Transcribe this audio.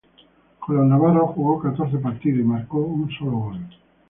Con los navarros jugó catorce partidos y marcó un solo gol.